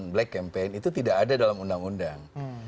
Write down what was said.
black campaign itu tidak ada dalam undang undang